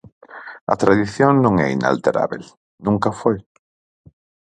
A tradición non é inalterábel, nunca o foi.